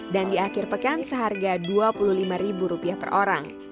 dan di akhir pekan seharga rp dua puluh lima per orang